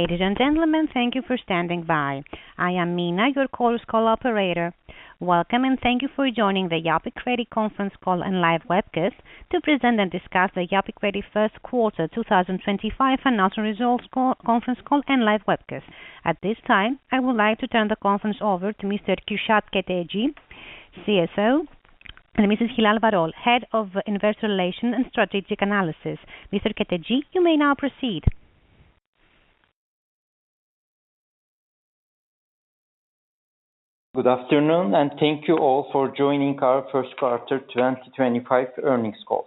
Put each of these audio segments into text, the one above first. Ladies and gentlemen, thank you for standing by. I am Mina, your call operator. Welcome and thank you for joining the Yapi Kredi conference call and live webcast to present and discuss the Yapi Kredi first quarter 2025 announcement results conference call and live webcast. At this time, I would like to turn the conference over to Mr. Kürşad Keteci, CSO, and Mrs. Hilal Varol, Head of Investor Relations and Strategic Analysis. Mr. Keteci, you may now proceed. Good afternoon and thank you all for joining our first quarter 2025 earnings call.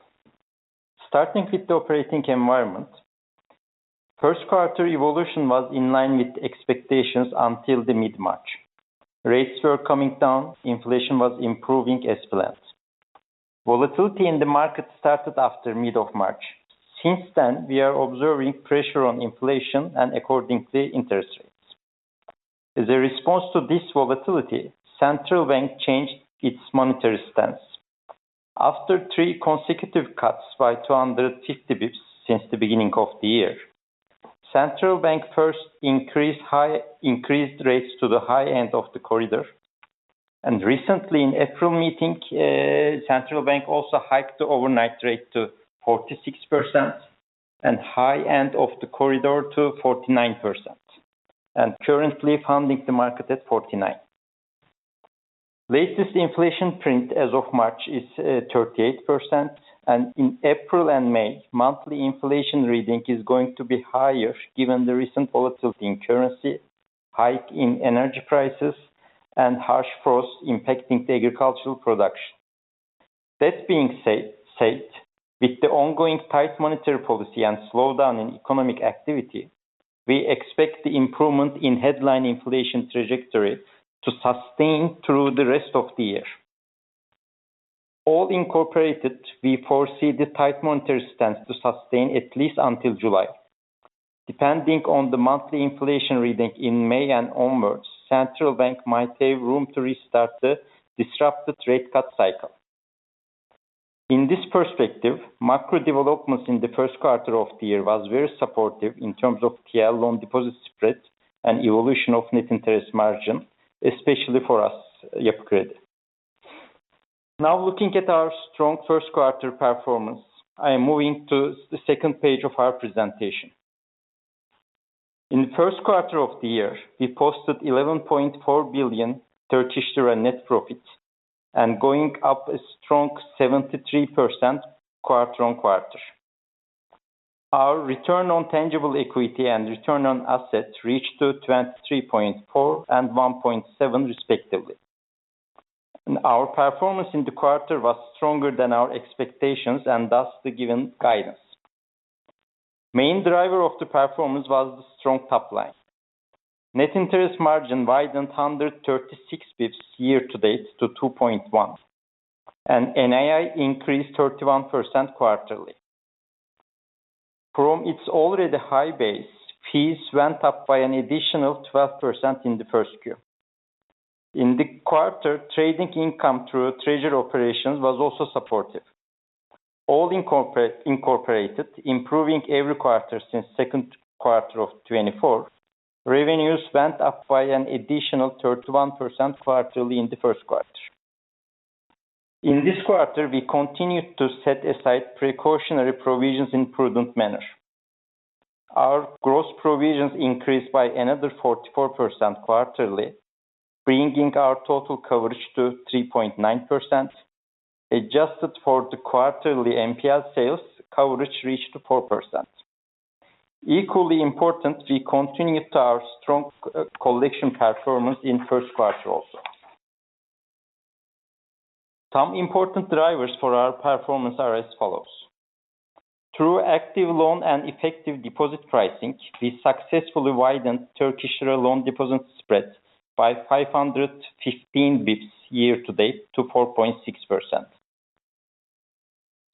Starting with the operating environment, first quarter evolution was in line with expectations until mid-March. Rates were coming down, inflation was improving as planned. Volatility in the market started after mid-March. Since then, we are observing pressure on inflation and accordingly interest rates. As a response to this volatility, the central bank changed its monetary stance. After three consecutive cuts by 250 basis points since the beginning of the year, the central bank first increased rates to the high end of the corridor. Recently, in the April meeting, the central bank also hiked the overnight rate to 46% and the high end of the corridor to 49%, and currently funding the market at 49%. Latest inflation print as of March is 38%, and in April and May, monthly inflation reading is going to be higher given the recent volatility in currency, a hike in energy prices, and harsh frost impacting agricultural production. That being said, with the ongoing tight monetary policy and slowdown in economic activity, we expect the improvement in headline inflation trajectory to sustain through the rest of the year. All incorporated, we foresee the tight monetary stance to sustain at least until July. Depending on the monthly inflation reading in May and onwards, the central bank might have room to restart the disrupted rate cut cycle. In this perspective, macro developments in the first quarter of the year were very supportive in terms of TL loan deposit spreads and evolution of net interest margin, especially for us, Yapi Kredi. Now, looking at our strong first quarter performance, I am moving to the second page of our presentation. In the first quarter of the year, we posted 11.4 billion Turkish lira net profit and went up a strong 73% quarter on quarter. Our return on tangible equity and return on asset reached 23.4% and 1.7% respectively. Our performance in the quarter was stronger than our expectations and thus the given guidance. The main driver of the performance was the strong top line. Net interest margin widened 136 basis points year to date to 2.1%, and NII increased 31% quarterly. From its already high base, fees went up by an additional 12% in the first year. In the quarter, trading income through treasury operations was also supportive. All incorporated, improving every quarter since the second quarter of 2024, revenues went up by an additional 31% quarterly in the first quarter. In this quarter, we continued to set aside precautionary provisions in prudent manner. Our gross provisions increased by another 44% quarterly, bringing our total coverage to 3.9%. Adjusted for the quarterly NPL sales, coverage reached 4%. Equally important, we continued our strong collection performance in the first quarter also. Some important drivers for our performance are as follows: through active loan and effective deposit pricing, we successfully widened Turkish lira loan deposit spreads by 515 basis points year to date to 4.6%.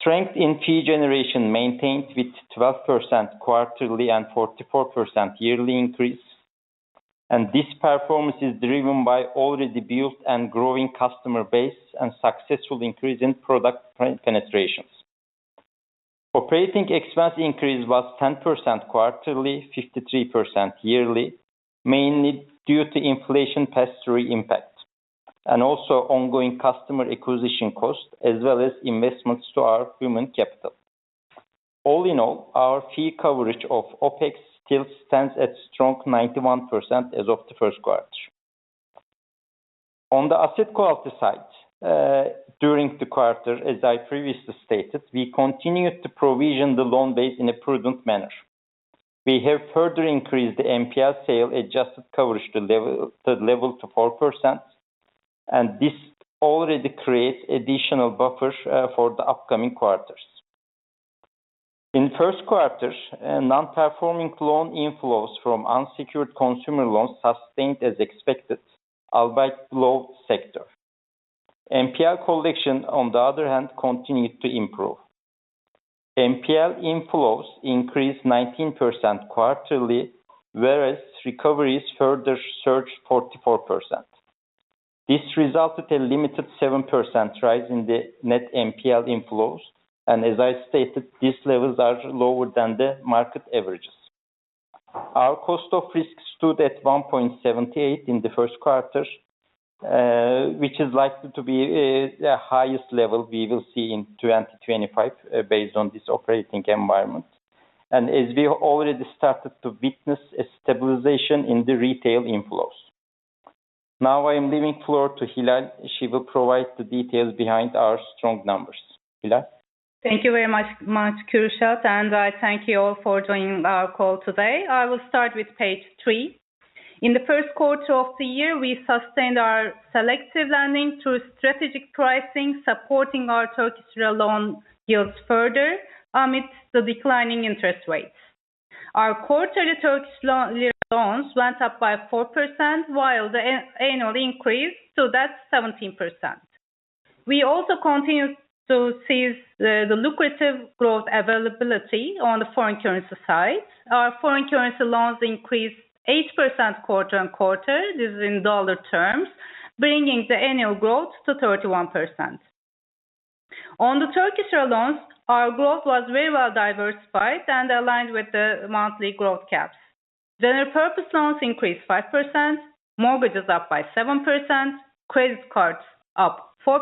Strength in fee generation maintained with 12% quarterly and 44% yearly increase, and this performance is driven by an already built and growing customer base and a successful increase in product penetrations. Operating expense increase was 10% quarterly, 53% yearly, mainly due to inflation pass-through impact and also ongoing customer acquisition costs as well as investments to our human capital. All in all, our fee coverage of OPEX still stands at a strong 91% as of the first quarter. On the asset quality side, during the quarter, as I previously stated, we continued to provision the loan base in a prudent manner. We have further increased the NPL sale adjusted coverage to the level of 4%, and this already creates an additional buffer for the upcoming quarters. In the first quarter, non-performing loan inflows from unsecured consumer loans sustained as expected, albeit below sector. NPL collection, on the other hand, continued to improve. NPL inflows increased 19% quarterly, whereas recoveries further surged 44%. This resulted in a limited 7% rise in the net NPL inflows, and as I stated, these levels are lower than the market averages. Our cost of risk stood at 1.78% in the first quarter, which is likely to be the highest level we will see in 2025 based on this operating environment, and as we already started to witness a stabilization in the retail inflows. Now I am leaving the floor to Hilal. She will provide the details behind our strong numbers. Hilal. Thank you very much, Kürşad, and I thank you all for joining our call today. I will start with page three. In the first quarter of the year, we sustained our selective lending through strategic pricing, supporting our Turkish lira loan yields further amidst the declining interest rates. Our quarterly Turkish lira loans went up by 4%, while the annual increased to 17%. We also continued to see the lucrative growth availability on the foreign currency side. Our foreign currency loans increased 8% quarter on quarter. This is in dollar terms, bringing the annual growth to 31%. On the Turkish lira loans, our growth was very well diversified and aligned with the monthly growth caps. General purpose loans increased 5%, mortgages up by 7%, credit cards up 4%,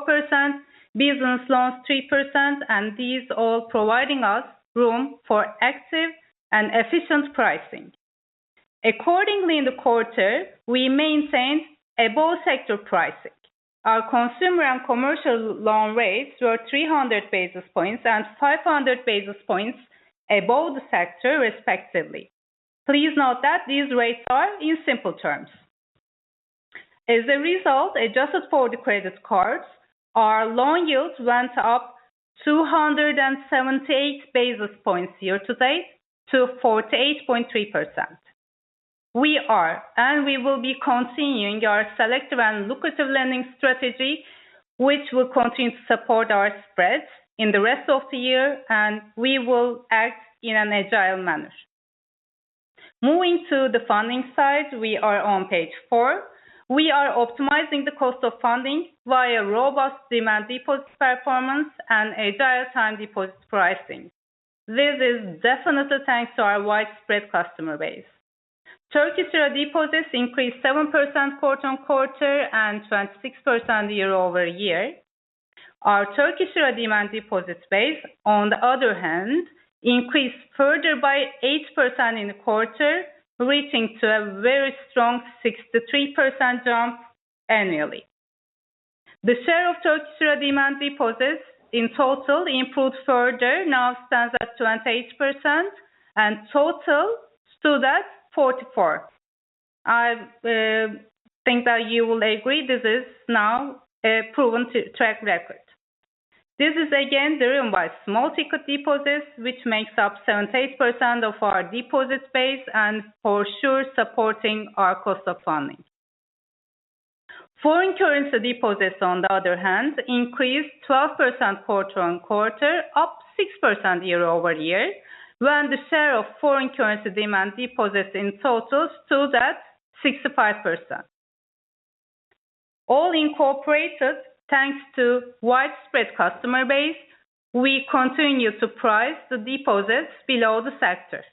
business loans 3%, and these all providing us room for active and efficient pricing. Accordingly, in the quarter, we maintained above-sector pricing. Our consumer and commercial loan rates were 300 basis points and 500 basis points above the sector, respectively. Please note that these rates are in simple terms. As a result, adjusted for the credit cards, our loan yields went up 278 basis points year to date to 48.3%. We are and we will be continuing our selective and lucrative lending strategy, which will continue to support our spreads in the rest of the year, and we will act in an agile manner. Moving to the funding side, we are on page four. We are optimizing the cost of funding via robust demand deposit performance and agile time deposit pricing. This is definitely thanks to our widespread customer base. Turkish lira deposits increased 7% quarter on quarter and 26% year over year. Our Turkish lira demand deposit base, on the other hand, increased further by 8% in the quarter, reaching a very strong 63% jump annually. The share of Turkish lira demand deposits in total improved further, now stands at 28%, and total stood at 44%. I think that you will agree this is now a proven track record. This is again driven by small ticket deposits, which makes up 78% of our deposit base and for sure supporting our cost of funding. Foreign currency deposits, on the other hand, increased 12% quarter on quarter, up 6% year over year, when the share of foreign currency demand deposits in total stood at 65%. All incorporated, thanks to a widespread customer base, we continue to price the deposits below the sector.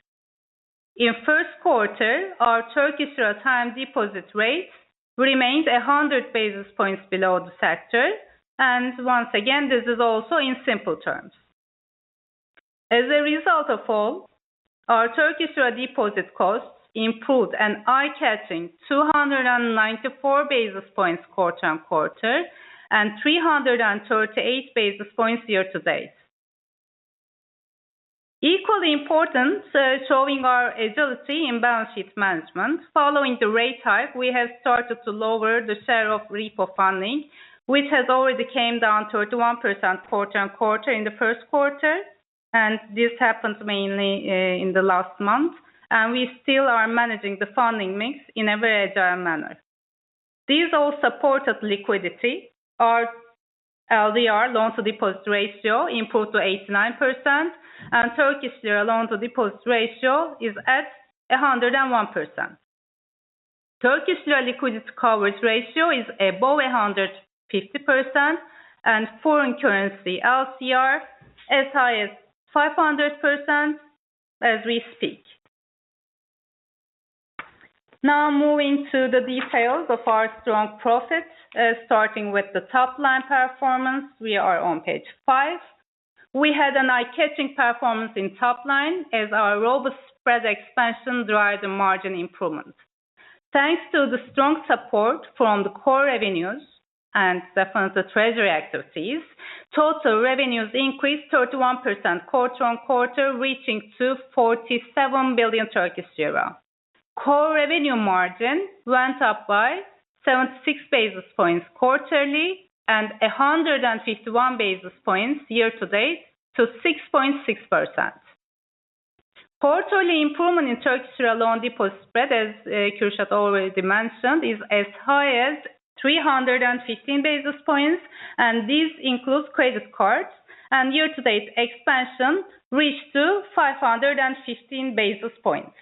In the first quarter, our Turkish lira time deposit rate remained 100 basis points below the sector, and once again, this is also in simple terms. As a result of all, our Turkish lira deposit costs improved an eye-catching 294 basis points quarter on quarter and 338 basis points year to date. Equally important, showing our agility in balance sheet management, following the rate hike, we have started to lower the share of repo funding, which has already come down 31% quarter on quarter in the first quarter, and this happened mainly in the last month, and we still are managing the funding mix in a very agile manner. These all supported liquidity. Our LDR loan-to-deposit ratio improved to 89%, and Turkish lira loan-to-deposit ratio is at 101%. Turkish lira liquidity coverage ratio is above 150%, and foreign currency LCR as high as 500% as we speak. Now, moving to the details of our strong profits, starting with the top line performance, we are on page five. We had an eye-catching performance in top line as our robust spread expansion drived the margin improvement. Thanks to the strong support from the core revenues and definitely the treasury activities, total revenues increased 31% quarter on quarter, reaching TRY 247 billion. Core revenue margin went up by 76 basis points quarterly and 151 basis points year to date to 6.6%. Quarterly improvement in Turkish lira loan deposit spread, as Kürşad already mentioned, is as high as 315 basis points, and this includes credit cards, and year to date expansion reached 515 basis points.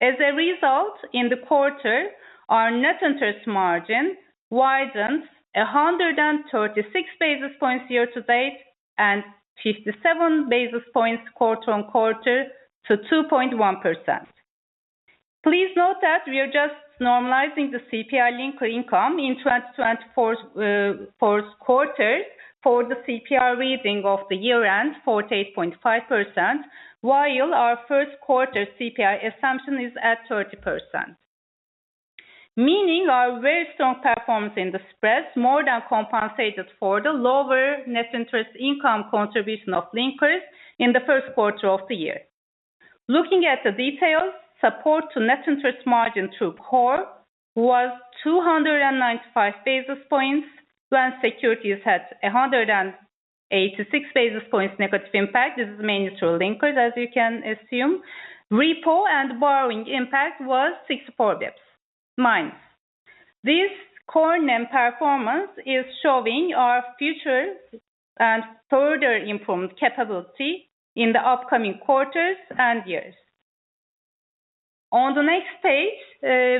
As a result, in the quarter, our net interest margin widened 136 basis points year to date and 57 basis points quarter on quarter to 2.1%. Please note that we are just normalizing the CPI linked to income in 2024's quarters for the CPI reading of the year-end 48.5%, while our first quarter CPI assumption is at 30%. Meaning our very strong performance in the spreads more than compensated for the lower net interest income contribution of linkers in the first quarter of the year. Looking at the details, support to net interest margin through core was 295 basis points when securities had 186 basis points negative impact. This is mainly through linkers, as you can assume. Repo and borrowing impact was 64 basis points minus. This core-named performance is showing our future and further improved capability in the upcoming quarters and years. On the next page,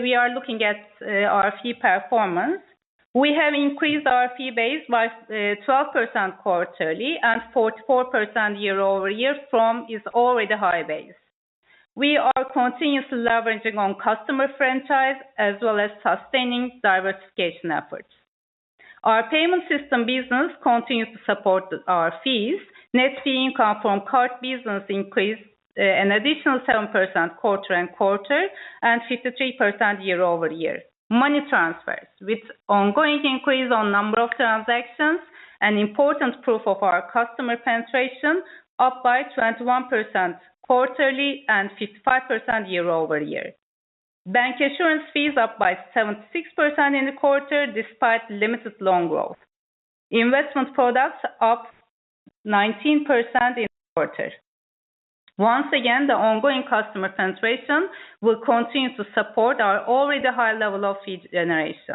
we are looking at our fee performance. We have increased our fee base by 12% quarterly and 44% year over year from this already high base. We are continuously leveraging on customer franchise as well as sustaining diversification efforts. Our payment system business continues to support our fees. Net fee income from card business increased an additional 7% quarter on quarter and 53% year over year. Money transfers with ongoing increase on number of transactions and important proof of our customer penetration up by 21% quarterly and 55% year over year. Bank assurance fees up by 76% in the quarter despite limited loan growth. Investment products up 19% in the quarter. Once again, the ongoing customer penetration will continue to support our already high level of fee generation.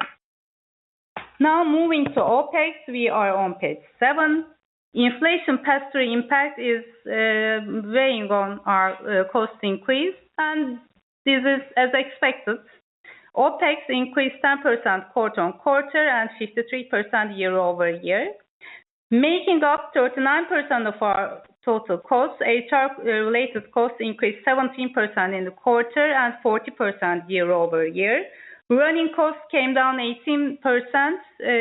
Now, moving to OPEX, we are on page seven. Inflation pass-through impact is weighing on our cost increase, and this is as expected. OPEX increased 10% quarter on quarter and 53% year over year, making up 39% of our total costs. HR-related costs increased 17% in the quarter and 40% year over year. Running costs came down 18%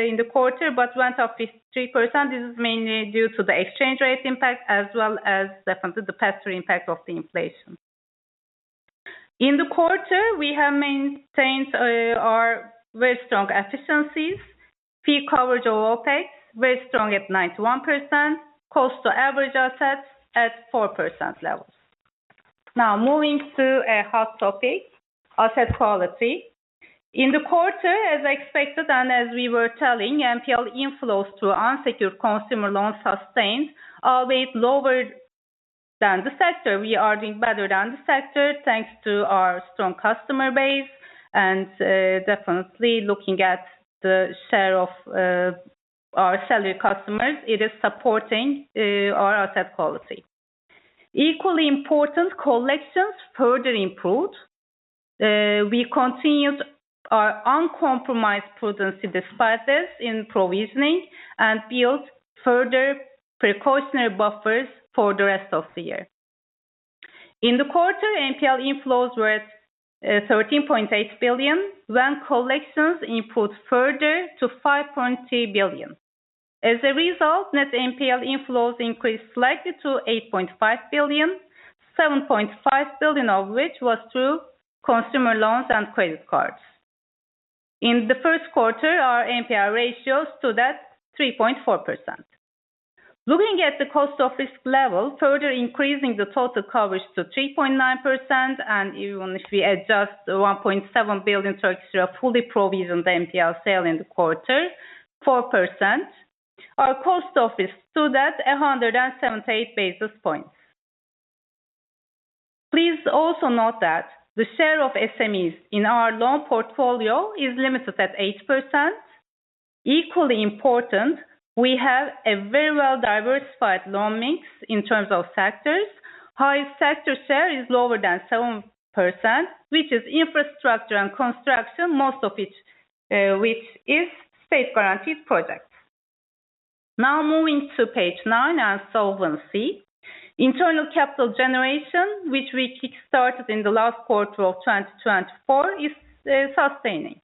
in the quarter but went up 53%. This is mainly due to the exchange rate impact as well as definitely the pass-through impact of the inflation. In the quarter, we have maintained our very strong efficiencies. Fee coverage of OPEX very strong at 91%, cost to average assets at 4% levels. Now, moving to a hot topic, asset quality. In the quarter, as expected and as we were telling, NPL inflows through unsecured consumer loans sustained albeit lower than the sector. We are doing better than the sector thanks to our strong customer base and definitely looking at the share of our salary customers. It is supporting our asset quality. Equally important, collections further improved. We continued our uncompromised prudency despite this in provisioning and built further precautionary buffers for the rest of the year. In the quarter, NPL inflows were at 13.8 billion when collections improved further to 5.3 billion. As a result, net NPL inflows increased slightly to 8.5 billion, 7.5 billion of which was through consumer loans and credit cards. In the first quarter, our NPL ratio stood at 3.4%. Looking at the cost of risk level, further increasing the total coverage to 3.9%, and even if we adjust 1.7 billion fully provisioned NPL sale in the quarter, 4%, our cost of risk stood at 178 basis points. Please also note that the share of SMEs in our loan portfolio is limited at 8%. Equally important, we have a very well-diversified loan mix in terms of sectors. High sector share is lower than 7%, which is infrastructure and construction, most of which is state-guaranteed projects. Now, moving to page nine and solvency. Internal capital generation, which we kickstarted in the last quarter of 2024, is sustaining.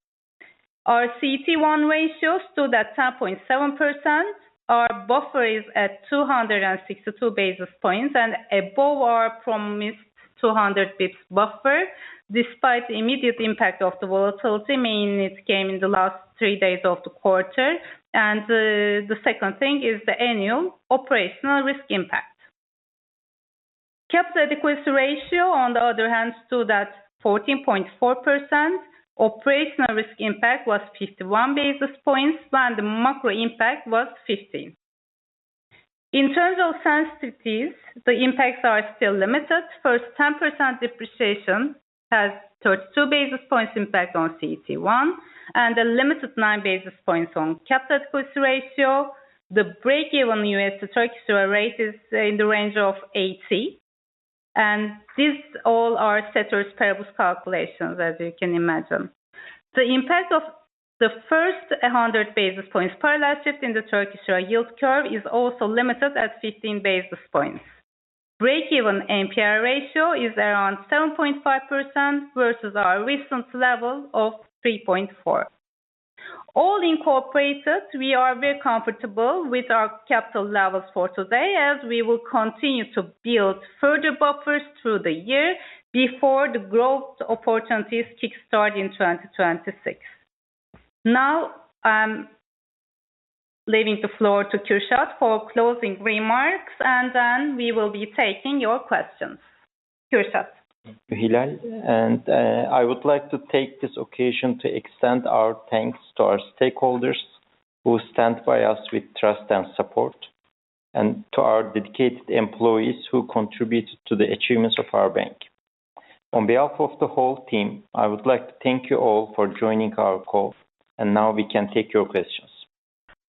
Our CT1 ratio stood at 10.7%. Our buffer is at 262 basis points and above our promised 200 basis points buffer despite the immediate impact of the volatility mainly that came in the last three days of the quarter. The second thing is the annual operational risk impact. Capital adequacy ratio, on the other hand, stood at 14.4%. Operational risk impact was 51 basis points when the macro impact was 15. In terms of sensitivities, the impacts are still limited. First, 10% depreciation has 32 basis points impact on CT1 and a limited 9 basis points on capital adequacy ratio. The break-even US to Turkish lira rate is in the range of 80. And these all are ceteris paribus calculations, as you can imagine. The impact of the first 100 basis points parallel shift in the Turkish lira yield curve is also limited at 15 basis points. Break-even NPL ratio is around 7.5% versus our recent level of 3.4%. All incorporated, we are very comfortable with our capital levels for today as we will continue to build further buffers through the year before the growth opportunities kickstart in 2026. Now, I am leaving the floor to Kürşad for closing remarks, and then we will be taking your questions. Kürşad. Thank you, Hilal. I would like to take this occasion to extend our thanks to our stakeholders who stand by us with trust and support, and to our dedicated employees who contributed to the achievements of our bank. On behalf of the whole team, I would like to thank you all for joining our call, and now we can take your questions.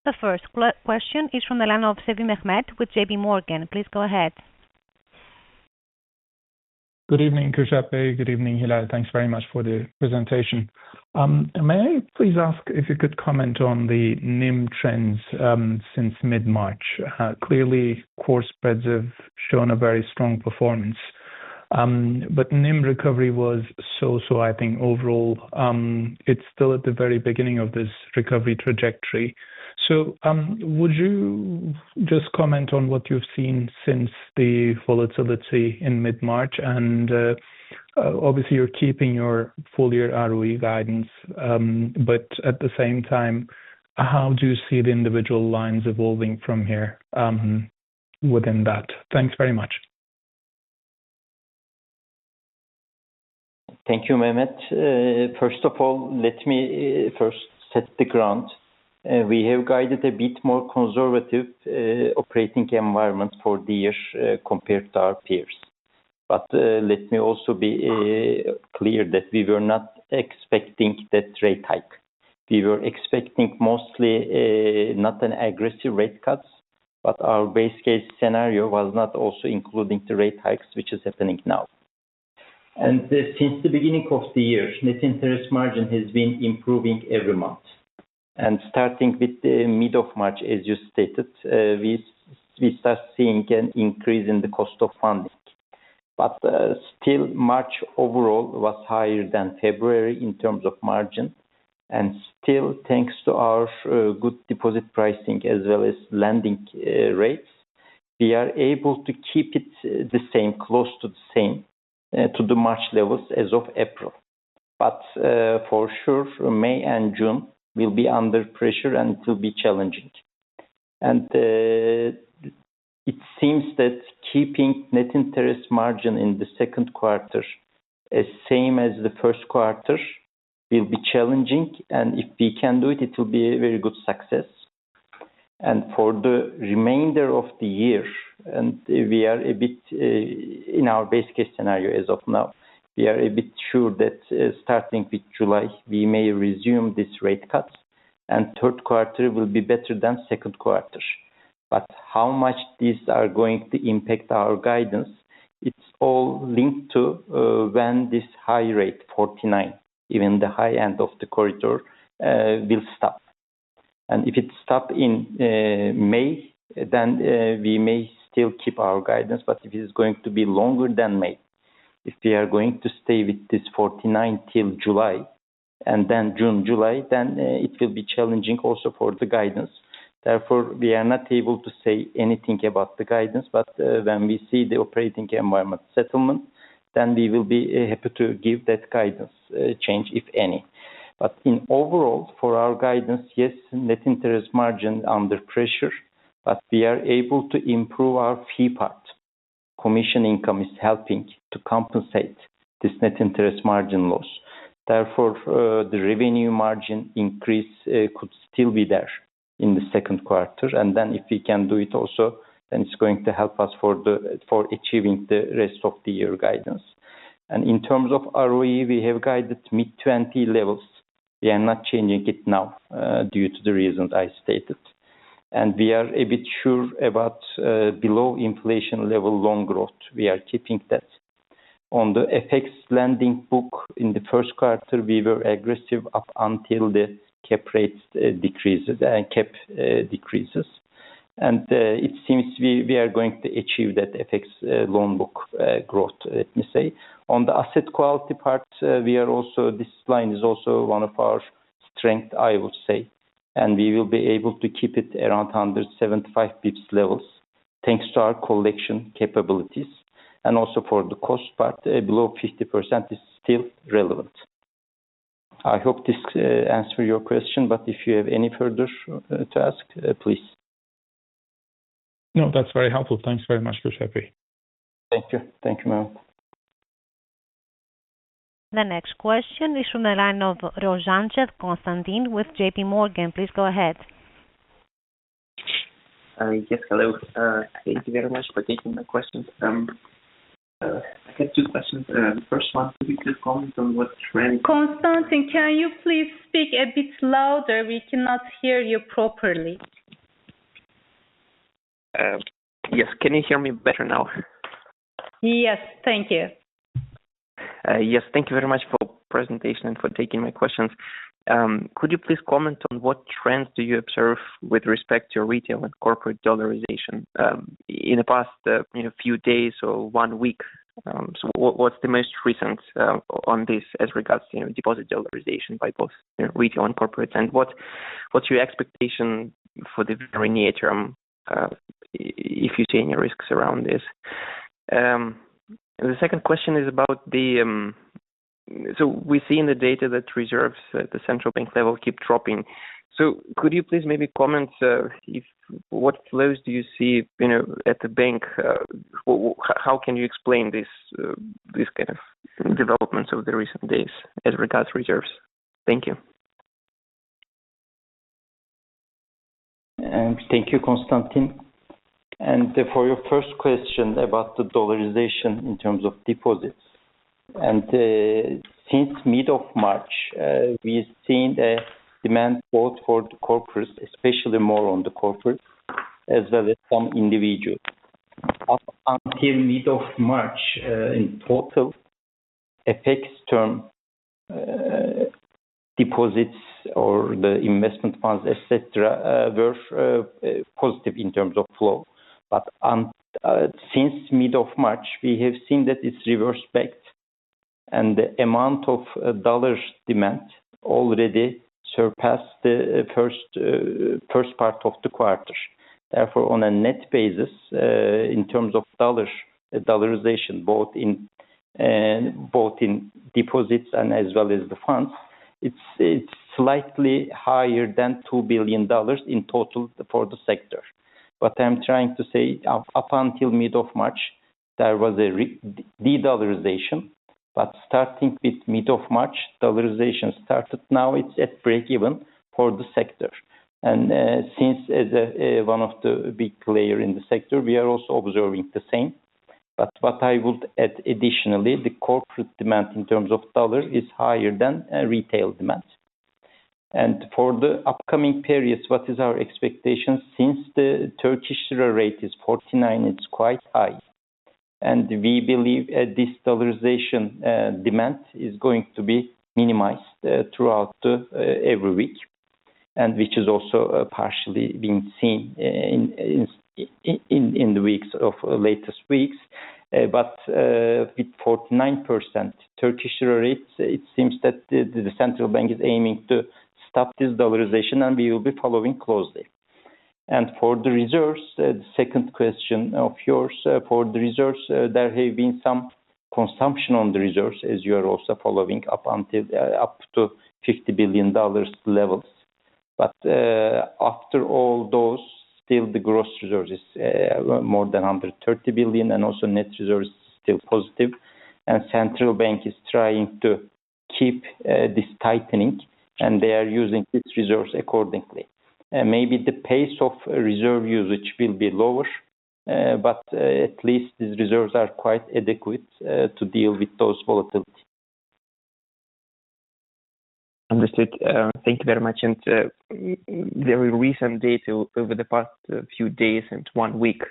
The first question is from the line of Shamim Ahmed with J.P. Morgan. Please go ahead. Good evening, Kürşad Bey. Good evening, Hilal. Thanks very much for the presentation. May I please ask if you could comment on the NIM trends since mid-March? Clearly, core spreads have shown a very strong performance, but NIM recovery was so-so, I think overall. It's still at the very beginning of this recovery trajectory. Would you just comment on what you've seen since the volatility in mid-March? Obviously, you're keeping your full-year ROE guidance, but at the same time, how do you see the individual lines evolving from here within that? Thanks very much. Thank you, Mehmet. First of all, let me first set the ground. We have guided a bit more conservative operating environment for the year compared to our peers. Let me also be clear that we were not expecting that rate hike. We were expecting mostly not an aggressive rate cut, but our base case scenario was not also including the rate hikes, which is happening now. Since the beginning of the year, net interest margin has been improving every month. Starting with the mid of March, as you stated, we started seeing an increase in the cost of funding. Still, March overall was higher than February in terms of margin. Thanks to our good deposit pricing as well as lending rates, we are able to keep it the same, close to the same, to the March levels as of April. For sure, May and June will be under pressure, and it will be challenging. It seems that keeping net interest margin in the second quarter as same as the first quarter will be challenging. If we can do it, it will be a very good success. For the remainder of the year, in our base case scenario as of now, we are a bit sure that starting with July, we may resume these rate cuts, and third quarter will be better than second quarter. How much these are going to impact our guidance, it's all linked to when this high rate, 49, even the high end of the corridor, will stop. If it stops in May, we may still keep our guidance, but if it is going to be longer than May, if we are going to stay with this 49 till July and then June, July, it will be challenging also for the guidance. Therefore, we are not able to say anything about the guidance, but when we see the operating environment settlement, we will be happy to give that guidance change, if any. In overall, for our guidance, yes, net interest margin under pressure, but we are able to improve our fee part. Commission income is helping to compensate this net interest margin loss. Therefore, the revenue margin increase could still be there in the second quarter. If we can do it also, it is going to help us for achieving the rest of the year guidance. In terms of ROE, we have guided mid-20% levels. We are not changing it now due to the reasons I stated. We are a bit sure about below inflation level loan growth. We are keeping that. On the FX lending book in the first quarter, we were aggressive up until the cap rates decrease and cap decreases. It seems we are going to achieve that FX loan book growth, let me say. On the asset quality part, this line is also one of our strengths, I would say. We will be able to keep it around 175 basis points levels thanks to our collection capabilities. Also for the cost part, below 50% is still relevant. I hope this answers your question, but if you have any further to ask, please. No, that's very helpful. Thanks very much, Kürşad Bey. Thank you. Thank you, Mehmet. The next question is from the line of Rozantsev Konstantin with J.P. Morgan. Please go ahead. Yes, hello. Thank you very much for taking my question. I have two questions. The first one, could you comment on what trend. Konstantin, can you please speak a bit louder? We cannot hear you properly. Yes, can you hear me better now? Yes, thank you. Yes, thank you very much for the presentation and for taking my questions. Could you please comment on what trends do you observe with respect to retail and corporate dollarization in the past few days or one week? What is the most recent on this as regards to deposit dollarization by both retail and corporate? What is your expectation for the very near term if you see any risks around this? The second question is about the, we see in the data that reserves at the central bank level keep dropping. Could you please maybe comment what flows do you see at the bank? How can you explain this kind of developments of the recent days as regards reserves? Thank you. Thank you, Konstantin. For your first question about the dollarization in terms of deposits, since mid of March, we've seen a demand both for the corporate, especially more on the corporate, as well as some individual. Up until mid of March, in total, FX term deposits or the investment funds, etc., were positive in terms of flow. Since mid of March, we have seen that it's reversed back, and the amount of dollar demand already surpassed the first part of the quarter. Therefore, on a net basis, in terms of dollarization, both in deposits and as well as the funds, it is slightly higher than $2 billion in total for the sector. I am trying to say up until mid of March, there was a de-dollarization. Starting with mid of March, dollarization started. Now it is at break-even for the sector. Since as one of the big players in the sector, we are also observing the same. What I would add additionally, the corporate demand in terms of dollar is higher than retail demand. For the upcoming periods, what is our expectation? Since the Turkish lira rate is 49, it is quite high. We believe this dollarization demand is going to be minimized throughout every week, which has also partially been seen in the latest weeks. With 49% Turkish lira rates, it seems that the central bank is aiming to stop this dollarization, and we will be following closely. For the reserves, the second question of yours, for the reserves, there have been some consumption on the reserves, as you are also following up to $50 billion levels. After all those, still the gross reserves is more than $130 billion, and also net reserves is still positive. The central bank is trying to keep this tightening, and they are using these reserves accordingly. Maybe the pace of reserve usage will be lower, but at least these reserves are quite adequate to deal with those volatilities. Understood. Thank you very much. Very recent data over the past few days and one week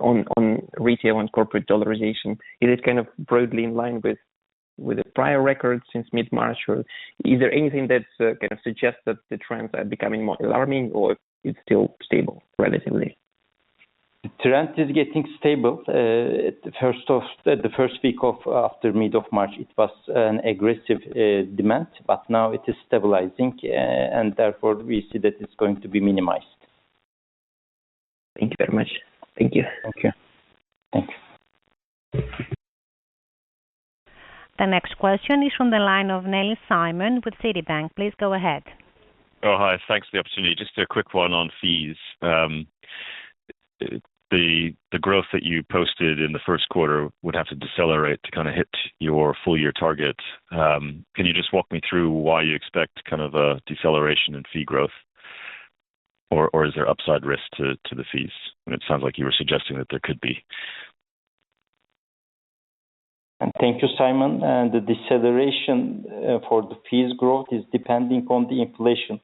on retail and corporate dollarization, is it kind of broadly in line with the prior records since mid-March? Is there anything that kind of suggests that the trends are becoming more alarming, or it is still stable relatively? The trend is getting stable. First of the first week after mid of March, it was an aggressive demand, but now it is stabilizing, and therefore we see that it is going to be minimized. Thank you very much. Thank you. Thank you. Thank you. The next question is from the line of Simon Nellis with Citibank. Please go ahead. Oh, hi. Thanks for the opportunity. Just a quick one on fees. The growth that you posted in the first quarter would have to decelerate to kind of hit your full-year target. Can you just walk me through why you expect kind of a deceleration in fee growth, or is there upside risk to the fees? It sounds like you were suggesting that there could be. Thank you, Simon. The deceleration for the fees growth is depending on the inflation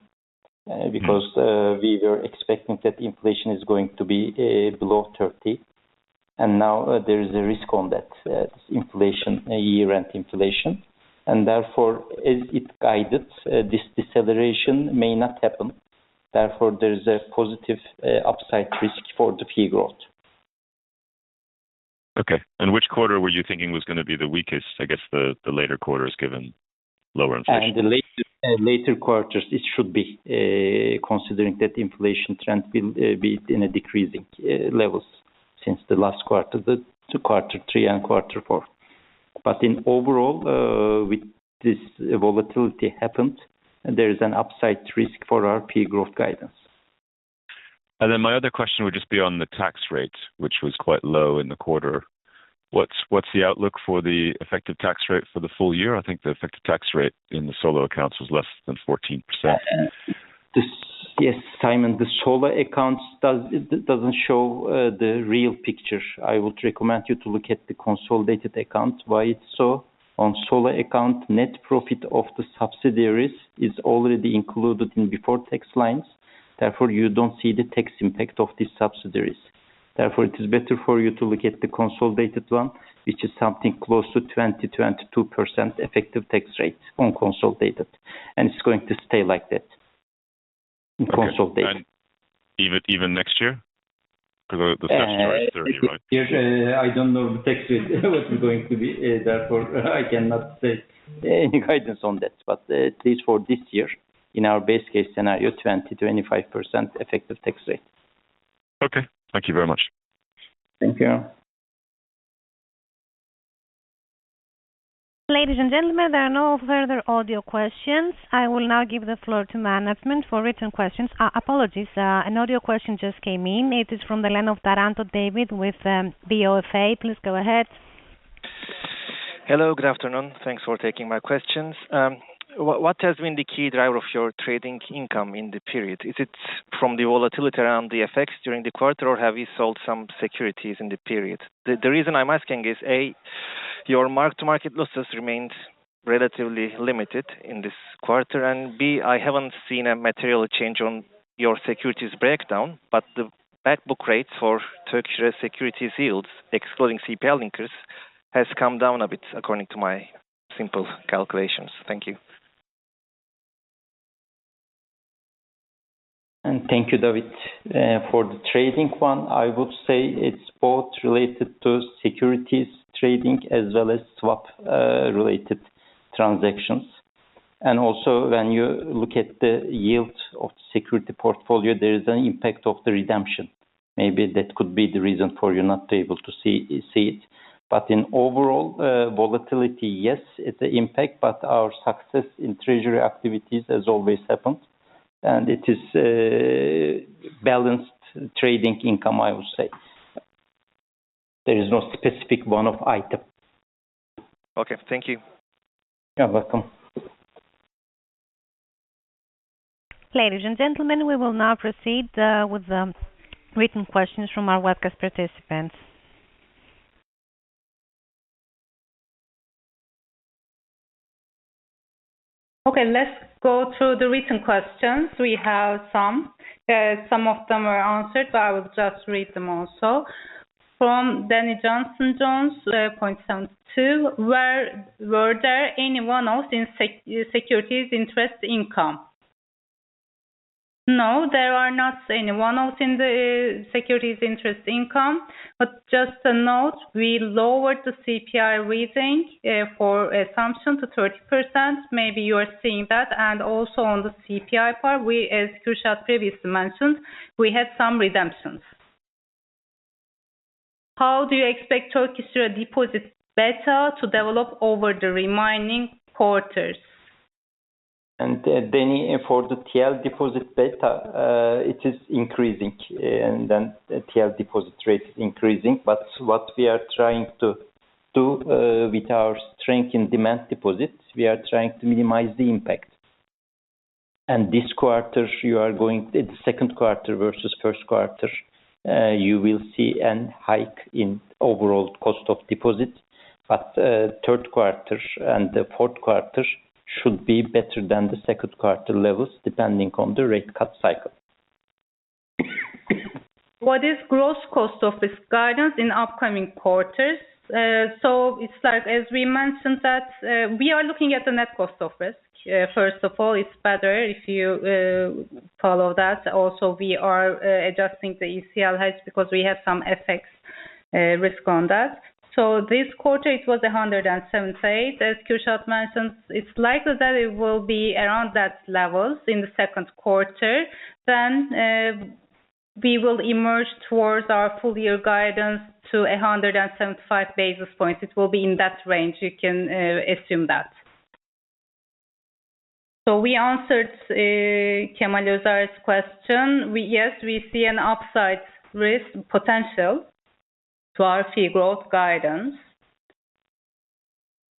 because we were expecting that inflation is going to be below 30%. Now there is a risk on that, inflation, year-end inflation. Therefore, as it guided, this deceleration may not happen. Therefore, there is a positive upside risk for the fee growth. Okay. Which quarter were you thinking was going to be the weakest? I guess the later quarters given lower inflation. The later quarters, it should be considering that inflation trend will be in decreasing levels since the last quarter, quarter three and quarter four. Overall, with this volatility happened, there is an upside risk for our fee growth guidance. My other question would just be on the tax rate, which was quite low in the quarter. What's the outlook for the effective tax rate for the full year? I think the effective tax rate in the solo accounts was less than 14%. Yes, Simon, the solo accounts do not show the real picture. I would recommend you to look at the consolidated account. Why is it so? On the solo account, net profit of the subsidiaries is already included in before-tax lines. Therefore, you do not see the tax impact of these subsidiaries. Therefore, it is better for you to look at the consolidated one, which is something close to 20%-22% effective tax rate on consolidated. It is going to stay like that in consolidated. Even next year? Because the next year is already right. I do not know the tax rate, what it is going to be. Therefore, I cannot say any guidance on that. At least for this year, in our base case scenario, 20%-25% effective tax rate. Okay. Thank you very much. Thank you. Ladies and gentlemen, there are no further audio questions. I will now give the floor to management for written questions. Apologies, an audio question just came in. It is from the line of Taranto David with BofA. Please go ahead. Hello, good afternoon. Thanks for taking my questions. What has been the key driver of your trading income in the period? Is it from the volatility around the FX during the quarter, or have you sold some securities in the period? The reason I'm asking is, A, your mark-to-market losses remained relatively limited in this quarter, and B, I haven't seen a material change on your securities breakdown, but the backbook rates for Turkish lira securities yields, excluding CPI linkers, have come down a bit according to my simple calculations. Thank you. Thank you, David, for the trading one. I would say it's both related to securities trading as well as swap-related transactions. Also, when you look at the yield of the security portfolio, there is an impact of the redemption. Maybe that could be the reason for you not to be able to see it. In overall volatility, yes, it's an impact, but our success in treasury activities has always happened. It is balanced trading income, I would say. There is no specific one-off item. Okay. Thank you. You're welcome. Ladies and gentlemen, we will now proceed with the written questions from our webcast participants. Okay, let's go through the written questions. We have some. Some of them were answered, but I will just read them also. From Danny Johnson Jones, 0.72, were there any one-offs in securities interest income? No, there are not any one-offs in the securities interest income. Just a note, we lowered the CPI reading for assumption to 30%. Maybe you are seeing that. Also on the CPI part, as Kürşad previously mentioned, we had some redemptions. How do you expect Turkish lira deposit beta to develop over the remaining quarters? Danny, for the TL deposit beta, it is increasing. The TL deposit rate is increasing. What we are trying to do with our strength in demand deposits, we are trying to minimize the impact. This quarter, going the second quarter versus first quarter, you will see a hike in overall cost of deposits. The third quarter and the fourth quarter should be better than the second quarter levels, depending on the rate cut cycle. What is gross cost of risk guidance in upcoming quarters? As we mentioned, we are looking at the net cost of risk. First of all, it's better if you follow that. Also, we are adjusting the ECL heights because we have some FX risk on that. This quarter, it was 178. As Kürşad mentioned, it's likely that it will be around that levels in the second quarter. We will emerge towards our full-year guidance to 175 basis points. It will be in that range. You can assume that. We answered Kemal Özer's question. Yes, we see an upside risk potential to our fee growth guidance.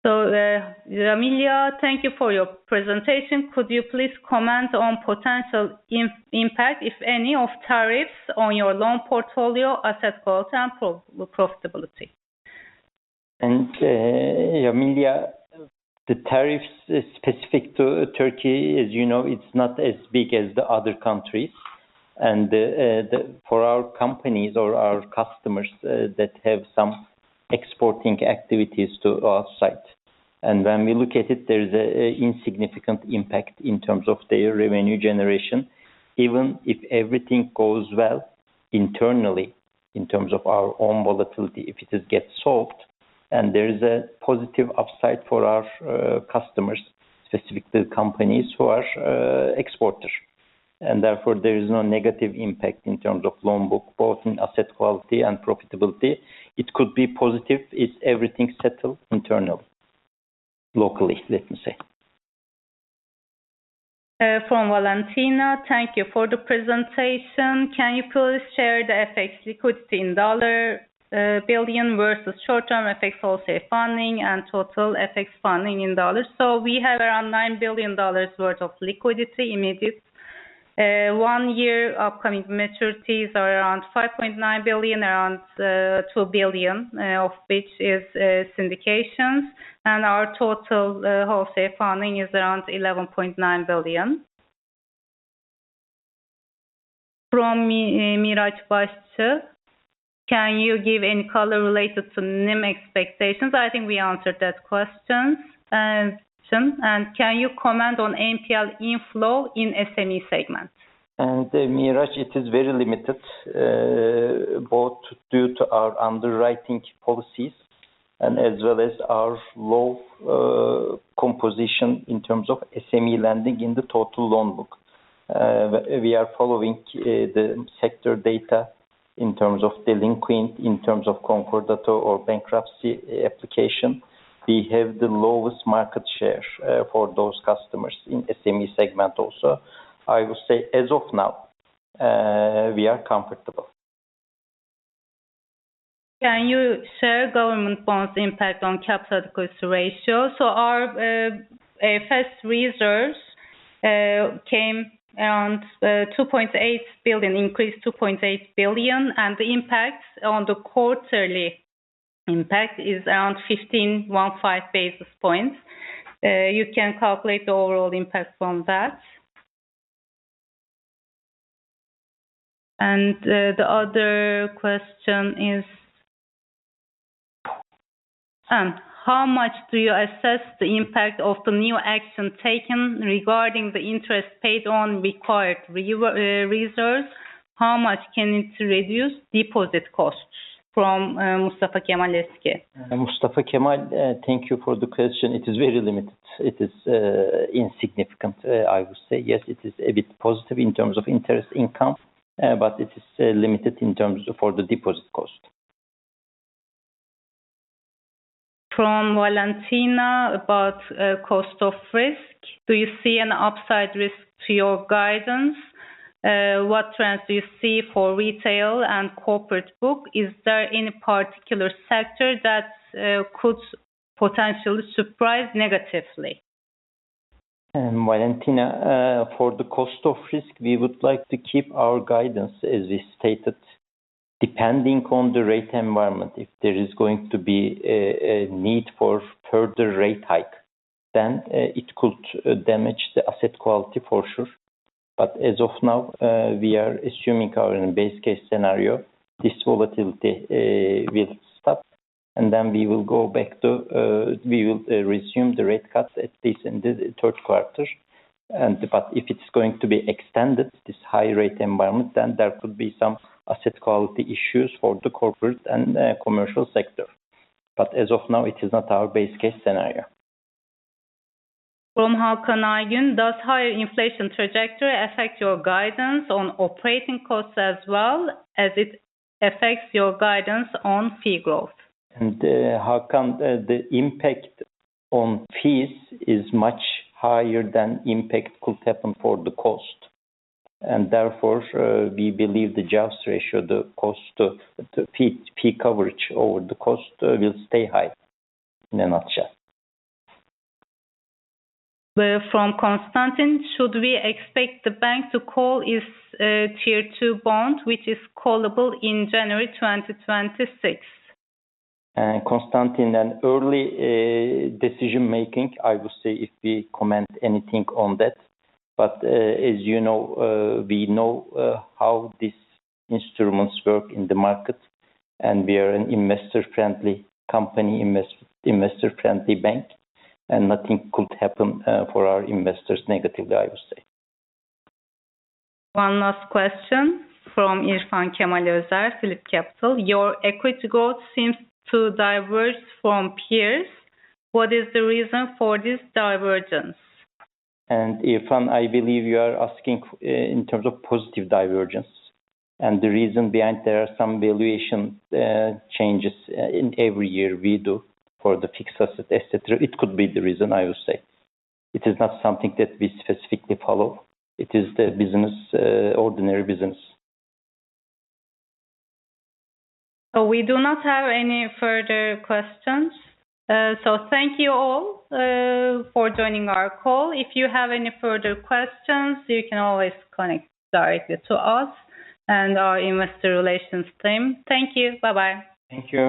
Yamilia, thank you for your presentation. Could you please comment on potential impact, if any, of tariffs on your loan portfolio, asset quality, and profitability? Yamilia, the tariffs specific to Turkey, as you know, it's not as big as the other countries. For our companies or our customers that have some exporting activities to our site, when we look at it, there is an insignificant impact in terms of their revenue generation, even if everything goes well internally in terms of our own volatility, if it gets solved. There is a positive upside for our customers, specifically companies who are exporters. Therefore, there is no negative impact in terms of loan book, both in asset quality and profitability. It could be positive if everything's settled internally, locally, let me say. From Valentina, thank you for the presentation. Can you please share the FX liquidity in dollar billion versus short-term FX wholesale funding and total FX funding in dollars? We have around $9 billion worth of liquidity immediate. One-year upcoming maturities are around $5.9 billion, around $2 billion of which is syndications. Our total wholesale funding is around 11.9 billion. From Miraj Başçı, can you give any color related to NIM expectations? I think we answered that question. Can you comment on NPL inflow in SME segment? Miraj, it is very limited, both due to our underwriting policies and as well as our low composition in terms of SME lending in the total loan book. We are following the sector data in terms of delinquent, in terms of concordato or bankruptcy application. We have the lowest market share for those customers in SME segment also. I would say, as of now, we are comfortable. Can you share government bonds' impact on capital equity ratio? Our AFS reserves came around 2.8 billion, increased 2.8 billion. The impact on the quarterly impact is around 15.15 basis points. You can calculate the overall impact from that. The other question is, how much do you assess the impact of the new action taken regarding the interest paid on required reserves? How much can it reduce deposit costs? From Mustafa Kemal Özke. Mustafa Kemal, thank you for the question. It is very limited. It is insignificant, I would say. Yes, it is a bit positive in terms of interest income, but it is limited in terms of the deposit cost. From Valentina, about cost of risk, do you see an upside risk to your guidance? What trends do you see for retail and corporate book? Is there any particular sector that could potentially surprise negatively? Valentina, for the cost of risk, we would like to keep our guidance, as we stated, depending on the rate environment. If there is going to be a need for further rate hike, then it could damage the asset quality, for sure. As of now, we are assuming our base case scenario, this volatility will stop, and we will go back to we will resume the rate cuts at least in the third quarter. If it is going to be extended, this high rate environment, then there could be some asset quality issues for the corporate and commercial sector. As of now, it is not our base case scenario. From Hakan Aygün, does higher inflation trajectory affect your guidance on operating costs as well as it affects your guidance on fee growth? Hakan, the impact on fees is much higher than impact could happen for the cost. Therefore, we believe the just ratio, the cost to fee coverage over the cost will stay high in a nutshell. From Constantine, should we expect the bank to call its tier two bond, which is callable in January 2026? Constantine, an early decision-making, I would say, if we comment anything on that. As you know, we know how these instruments work in the market, and we are an investor-friendly company, investor-friendly bank, and nothing could happen for our investors negatively, I would say. One last question from İrfan Kemal Özer, PhillipCapital. Your equity growth seems to diverge from peers. What is the reason for this divergence? Irfan, I believe you are asking in terms of positive divergence. The reason behind there are some valuation changes in every year we do for the fixed asset, etc., it could be the reason, I would say. It is not something that we specifically follow. It is the business, ordinary business. We do not have any further questions. Thank you all for joining our call. If you have any further questions, you can always connect directly to us and our investor relations team. Thank you. Bye-bye. Thank you.